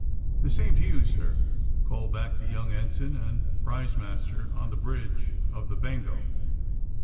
The same to you, sir!'* called back the young ensign and prize master on the bridge of the ^'Bengo.